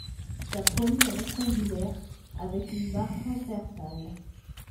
Sa poignée est rectangulaire avec une barre transversale.